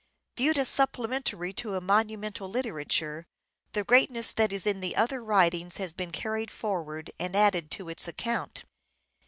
Viewed as supplementary to a monumental literature, the greatness that is in the other writings has been carried forward and added to its account.